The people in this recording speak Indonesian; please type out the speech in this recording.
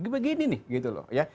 begini nih gitu loh ya